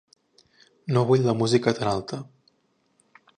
No vull la música tan alta.